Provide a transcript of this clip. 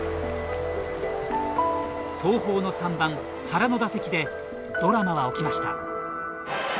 東邦の３番原の打席でドラマは起きました。